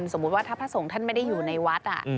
สมมุติว่าพระสงฆ์ท่านไม่ได้อยู่ในวัฒน์อ่ะ